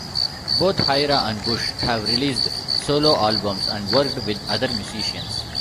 Both Hyra and Bush have released solo albums and worked with other musicians.